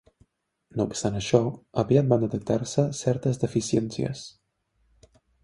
No obstant això, aviat van detectar-se certes deficiències.